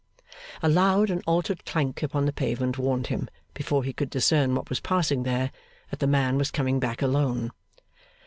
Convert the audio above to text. A loud and altered clank upon the pavement warned him, before he could discern what was passing there, that the man was coming back alone.